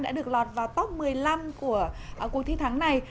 đã được lọt vào top một mươi năm của cuộc thi tháng này